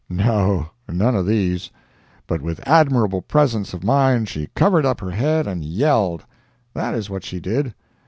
No—none of these. But with admirable presence of mind she covered up her head and yelled. That is what she did.